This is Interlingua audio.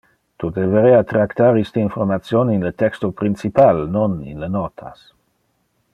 Tu deberea tractar iste information in le texto principal, non in le notas.